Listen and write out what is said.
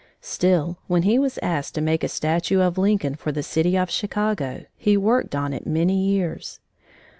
Still, when he was asked to make a statue of Lincoln for the city of Chicago, he worked on it many years.